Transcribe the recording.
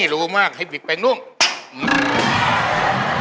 รู้มากให้บิดเป็นหนุ่ม